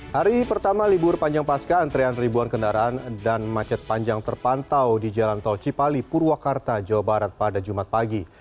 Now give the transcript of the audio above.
hari pertama libur panjang pasca antrean ribuan kendaraan dan macet panjang terpantau di jalan tol cipali purwakarta jawa barat pada jumat pagi